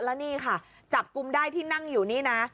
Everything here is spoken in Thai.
แล้วนี่ค่ะจับกลุ่มได้ที่นั่งอยู่นี่นะ